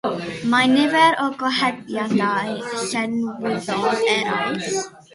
Mae nifer o gyhoeddiadau llenyddol eraill.